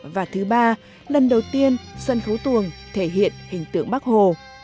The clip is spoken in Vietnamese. và thứ ba lần đầu tiên sân khấu tuồng thể hiện hình tượng bắc hồ